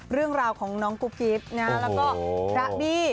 เรื่องราวของน้องกุ๊กกิ๊บแล้วก็พระบี้